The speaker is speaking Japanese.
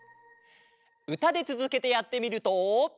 うたでつづけてやってみると。